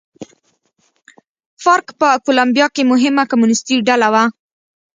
فارک په کولمبیا کې مهمه کمونېستي ډله وه.